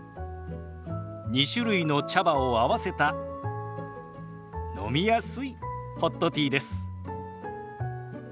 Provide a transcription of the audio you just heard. ２種類の茶葉を合わせた飲みやすいホットティーです。